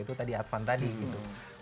itu tadi advan tadi gitu